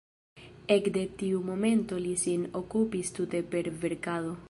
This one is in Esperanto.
Ekde tiu momento li sin okupis tute per verkado.